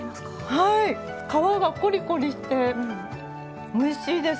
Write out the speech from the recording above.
皮がコリコリしておいしいです。